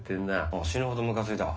ああ死ぬほどむかついたわ。